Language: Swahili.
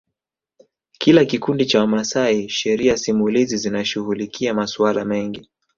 kila kikundi cha Wamasai Sheria simulizi zinashughulikia masuala mengi